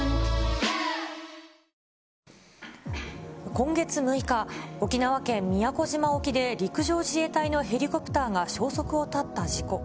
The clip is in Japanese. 今月６日、沖縄県宮古島沖で陸上自衛隊のヘリコプターが消息を絶った事故。